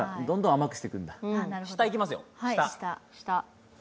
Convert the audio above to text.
下いきますよ、下。